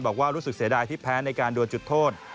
บอกว่ารู้สึกเสียดายที่แพ้ในการดวนจุดโทษ